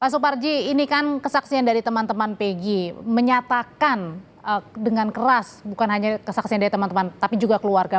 pak suparji ini kan kesaksian dari teman teman pg menyatakan dengan keras bukan hanya kesaksian dari teman teman tapi juga keluarga